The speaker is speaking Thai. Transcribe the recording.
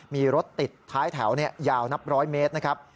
มีรถติดท้ายแถวยาวนับร้อยเมตรนะครับ